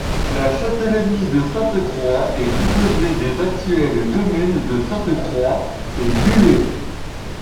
La châtellenie de Sainte-Croix est composée des actuelles communes de Sainte-Croix et Bullet.